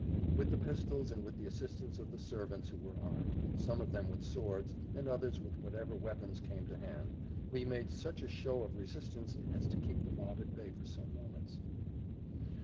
With the pistols, and with the assistance of the servants who were armed, some of them with swords, and others with whatever weapons came to hand, we made such a show of resistance as to keep the mob at bay for some moments.